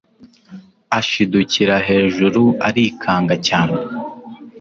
ashidukira hejuru arikanga cyane